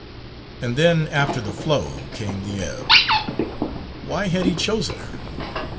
And then after the flow came the ebb. Why had he chosen her?